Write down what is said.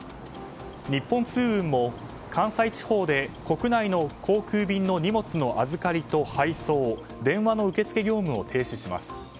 日本通運も、関西地方で国内航空便の荷物の預かりと配送電話の受け付け業務を停止します。